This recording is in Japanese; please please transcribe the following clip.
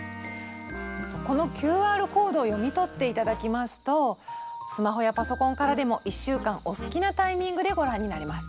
このＱＲコードを読み取って頂きますとスマホやパソコンからでも１週間お好きなタイミングでご覧になれます。